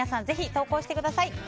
ぜひ投稿してください。